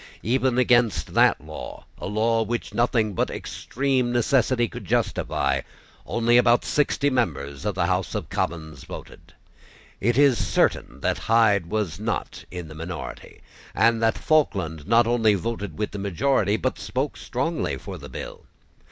Even against that law, a law which nothing but extreme necessity could justify, only about sixty members of the House of Commons voted. It is certain that Hyde was not in the minority, and that Falkland not only voted with the majority, but spoke strongly for the bill.